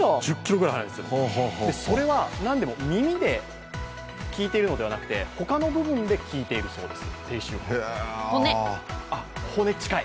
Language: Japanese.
それはなんでも耳で聞いているのではなくてほかの部分で聞いているそうです。